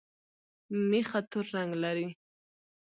مېخه تور رنګ لري